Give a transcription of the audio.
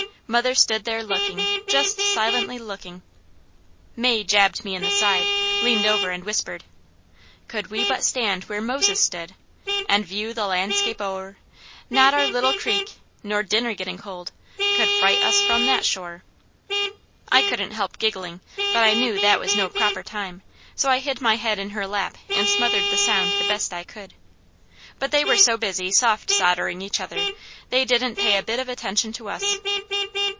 Mother stood there looking, just silently looking. May jabbed me in the side, leaned over and whispered: "Could we but stand where Moses stood, And view the landscape o'er, Not our Little Creek, nor dinner getting cold, Could fright us from that shore." I couldn't help giggling, but I knew that was no proper time, so I hid my head in her lap and smothered the sound the best I could; but they were so busy soft soddering each other they didn't pay a bit of attention to us.